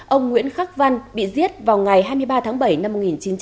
ông nguyễn khắc văn bị giết vào ngày hai mươi ba tháng bảy năm một nghìn chín trăm bảy mươi